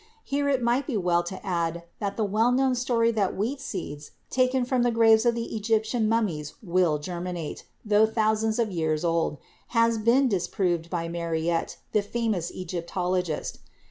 Here it might be well to add that the well known story that wheat seeds taken from the graves of Egyptian mummies will germi nate, tho thousands of years old, has been disproved by Mariette, the famous Egyptologist.